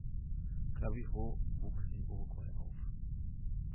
Clavijo wuchs in Uruguay auf.